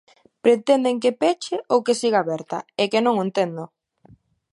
¿Pretenden que peche ou que siga aberta? É que non o entendo.